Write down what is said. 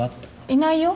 いないよ